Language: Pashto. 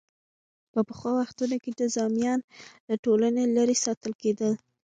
په پخوا وختونو کې جذامیان له ټولنې لرې ساتل کېدل.